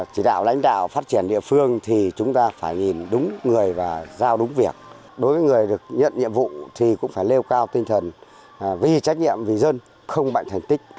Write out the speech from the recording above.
tân dân cũng phải lêu cao tinh thần vì trách nhiệm vì dân không bệnh thành tích